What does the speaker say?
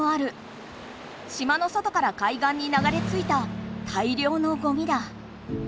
島の外から海岸に流れついたたいりょうのゴミだ。